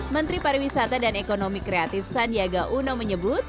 menteri pariwisata dan ekonomi kreatif sandiaga uno menyebut